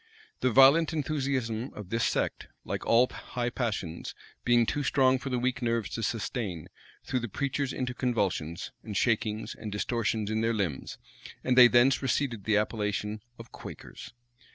The violent enthusiasm of this sect, like all high passions, being too strong for the weak nerves to sustain, threw the preachers into convulsions, and shakings, and distortions in their limbs; and they thence receded the appellation of "Quakers."